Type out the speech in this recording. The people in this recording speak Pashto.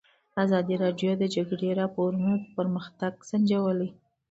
ازادي راډیو د د جګړې راپورونه پرمختګ سنجولی.